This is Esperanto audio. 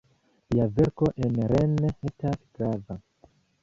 Lia verko en Rennes estas grava.